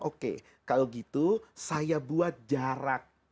oke kalau gitu saya buat jarak